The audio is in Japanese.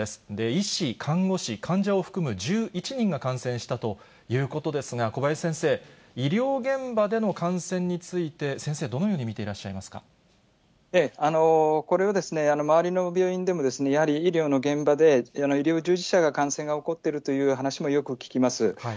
医師、看護師、患者を含む１１人が感染したということですが、小林先生、医療現場での感染について、先生、どのように見ていらっしゃこれは周りの病院でも、やはり医療の現場で、医療従事者が感染が起こっているという話もよく聞きます。